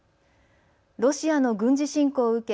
ロシアの軍事侵攻を受け